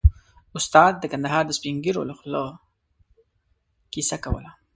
استاد د کندهار د سپين ږيرو له خولې کيسه کوله.